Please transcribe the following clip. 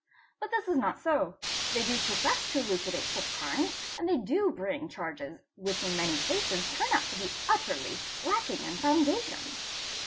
But this _ is not so; they do profess to elucidate such crimes and they do bring | charges which in many cases turn out to be utterly lacking in foundation.